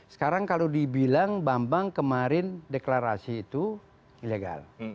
sekarang kalau dibilang bambang kemarin deklarasi itu ilegal